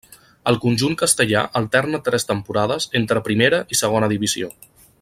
Al conjunt castellà alterna tres temporades entre Primera i Segona Divisió.